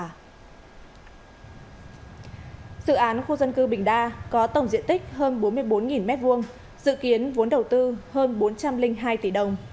dự án khu dân cư bình đa có tổng diện tích hơn bốn mươi bốn m hai dự kiến vốn đầu tư hơn bốn trăm linh hai tỷ đồng